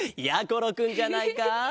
ころくんじゃないか。